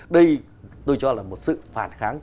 đây tôi cho là một sự phản kháng